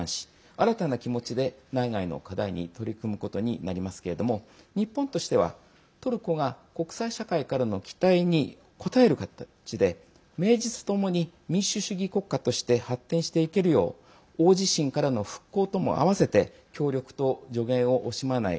新たな気持ちで内外の課題に取り組むことになりますけれども日本としては、トルコが国際社会からの期待に応える形で名実ともに民主主義国家として発展していけるよう大地震からの復興ともあわせて協力と助言を惜しまない。